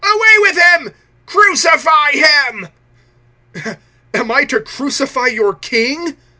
Away with him! Crucify him!" "Am I to crucify your king?"